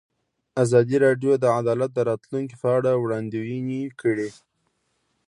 ازادي راډیو د عدالت د راتلونکې په اړه وړاندوینې کړې.